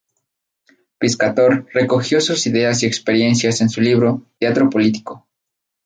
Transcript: Piscator recogió sus ideas y experiencias en su libro "Teatro Político".